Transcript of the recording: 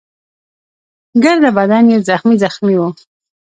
ګرده بدن يې زخمي زخمي وو.